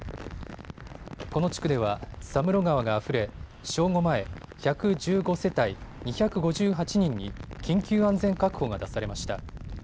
この地区では佐室川があふれ正午前、１１５世帯２５８人に緊急安全確保が出されました。